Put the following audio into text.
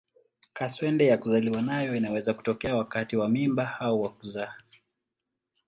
Kaswende ya kuzaliwa nayo inaweza kutokea wakati wa mimba au wa kuzaa.